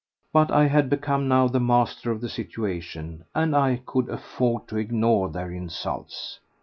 But I had become now the master of the situation and I could afford to ignore their insults.